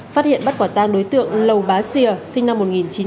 phát hiện bắt quả tang đối tượng lầu bá sìa sinh năm một nghìn chín trăm bảy mươi bốn